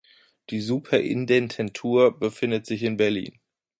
Die Superintendentur befindet sich in Berlin.